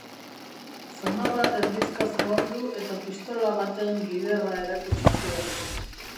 Zamarra erdizka zabaldu eta pistola baten giderra erakutsi zion.